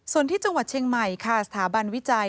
ส่วนที่จังหวัดเชียงใหม่ค่ะสถาบันวิจัย